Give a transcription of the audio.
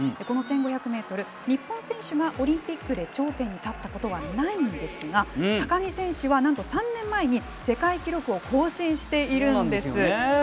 この１５００ｍ日本人選手が頂点に立ったことはないんですが高木選手はなんと３年前に世界記録を更新しているんです。